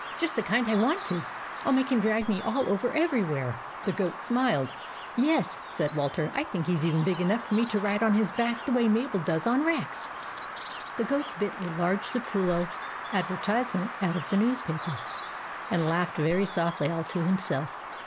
Just the kind I wanted. I '11 make him drag me all over every where !" The goat smiled. "Yes," said Walter, "I think he's even big enough for me to ride on his back the way Mabel does on Rex." The goat bit a large Sapolio advertise ment out of the newspaper, and laughed very softly, all to himself.